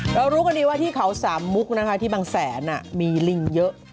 รู้กันดีว่าที่เขาสามมุกนะคะที่บางแสนมีลิงเยอะ